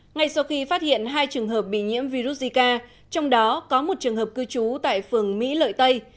ngay sau khi phát hiện hai trường hợp bị nhiễm virus zika trong đó có một trường hợp cư trú tại phường mỹ lợi tây